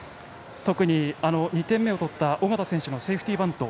特に２点目を取った尾形選手のセーフティーバント。